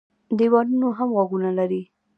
ـ دېوالونو هم غوږونه لري.